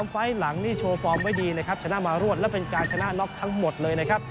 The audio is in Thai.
ไฟล์หลังนี่โชว์ฟอร์มไว้ดีนะครับชนะมารวดและเป็นการชนะน็อกทั้งหมดเลยนะครับ